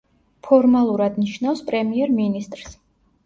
ფორმალურად ნიშნავს პრემიერ-მინისტრს.